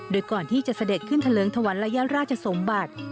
โดยก่อนที่จะเสด็จขึ้นทะเลิงถวันระยะราชสมบัติ